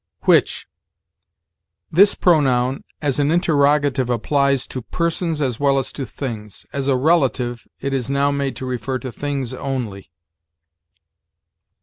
WHICH. This pronoun as an interrogative applies to persons as well as to things; as a relative, it is now made to refer to things only.